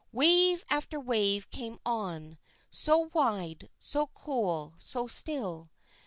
Wave after wave came on, so wide, so cool, so still.